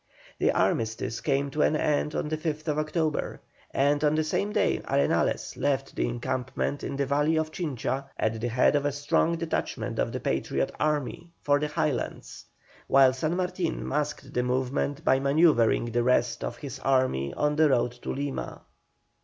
The armistice came to an end on the 5th October, and on the same day Arenales left the encampment in the valley of Chincha, at the head of a strong detachment of the Patriot army, for the Highlands, while San Martin masked the movement by manœuvring with the rest of his army on the road to Lima.